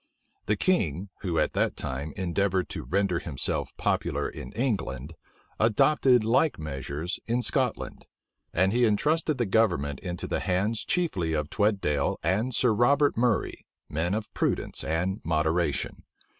The king, who at that time endeavored to render himself popular in England, adopted like measures in Scot * land, and he intrusted the government into the hands chiefly of Tweddale and Sir Robert Murray, men of prudence and moderation.